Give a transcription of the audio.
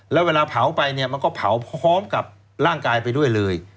แล้วเวลาเผาไปเนี่ยมันก็เผาพร้อมกับร่างกายไปด้วยเลย